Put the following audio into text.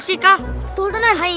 bikin dua orang tuh waduh bentar